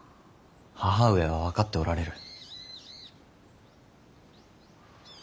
母上は分かっておられる。